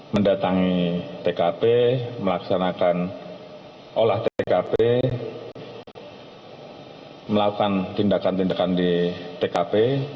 mendatangi tkp melaksanakan olah tkp melakukan tindakan tindakan di tkp